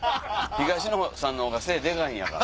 東野さんのほうが背でかいんやから。